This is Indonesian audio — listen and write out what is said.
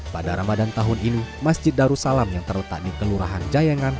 pada ramadan tahun ini masjid darussalam yang terletak di kelurahan jayangan